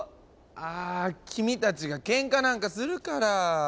あぁ君たちがけんかなんかするから。